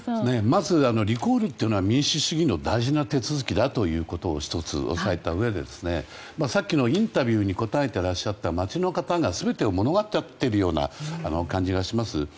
まずリコールというのは民主主義の大事な手続きだということを１つお伝えしたうえでさっきのインタビューに答えていらっしゃった町の方が全てを物語っているような感じがします。